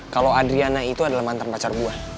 kalo adriana itu adalah mantan pacar gue